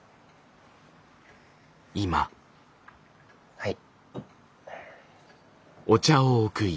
はい。